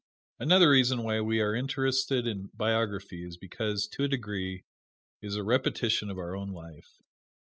Another reason why we are interested in biography is because, to a degree, it is a repetition of our own life.